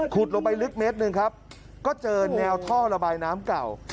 ลงไปลึกเมตรหนึ่งครับก็เจอแนวท่อระบายน้ำเก่า